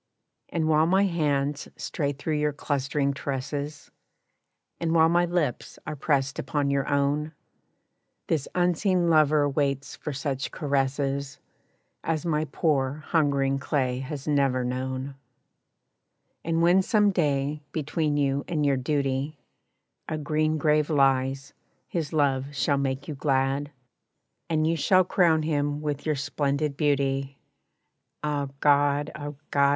And while my hands stray through your clustering tresses, And while my lips are pressed upon your own, This unseen lover waits for such caresses As my poor hungering clay has never known, And when some day, between you and your duty A green grave lies, his love shall make you glad, And you shall crown him with your splendid beauty Ah, God! ah, God!